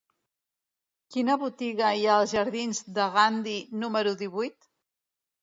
Quina botiga hi ha als jardins de Gandhi número divuit?